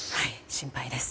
心配です。